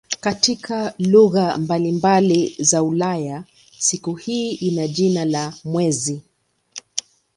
Katika lugha mbalimbali za Ulaya siku hii ina jina la "mwezi".